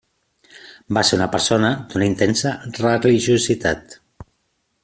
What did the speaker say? Va ser una persona d'una intensa religiositat.